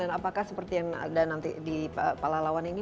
dan apakah seperti yang ada nanti di pelawan lawan ini